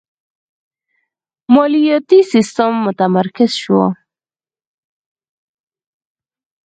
مالیاتی سیستم متمرکز شو.